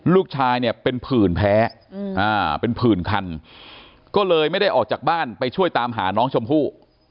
ลูกชายเนี่ยเป็นผื่นแพ้เป็นผื่นคันก็เลยไม่ได้ออกจากบ้านไปช่วยตามหาน้องชมพู่